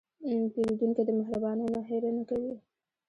پیرودونکی د مهربانۍ نه هېره نه کوي.